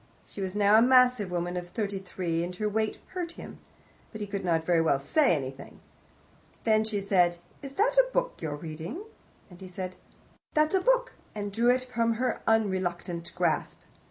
She was now a massive woman of thirty three, and her weight hurt him, but he could not very well say anything. Then she said, "Is that a book you're reading?" and he said, "That's a book," and drew it from her unreluctant grasp.